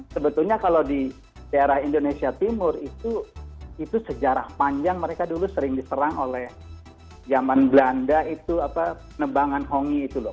sebetulnya kalau di daerah indonesia timur itu sejarah panjang mereka dulu sering diserang oleh zaman belanda itu apa nebangan hongi itu loh